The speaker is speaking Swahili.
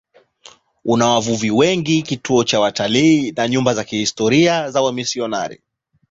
Una wavuvi wengi, kituo cha watalii na nyumba za kihistoria za wamisionari.